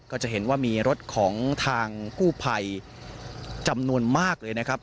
ก็จะเห็นว่ามีรถของทางกู้ภัยจำนวนมากเลยนะครับ